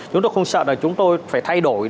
chúng tôi không sợ là chúng tôi phải thay đổi